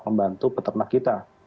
membantu peternak kita